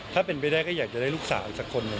ถ้าเป็นไปได้ก็อยากจะได้ลูกสาวอีกสักคนหนึ่ง